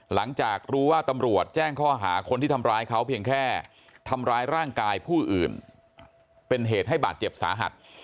หลังจากรู้ว่าตำรวจแจ้งข้อหาคนที่ทำร้ายเขาเพียงแค่ทำร้ายร่างกายผู้อื่นเป็นเหตุให้บาดเจ็บสาหัส